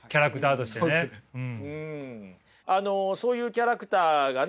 あのそういうキャラクターがね